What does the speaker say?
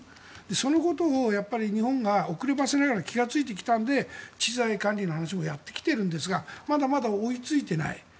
そのことを日本が遅ればせながら気がついてきたので知財管理の話もやってきているんですがまだまだ追いついていない。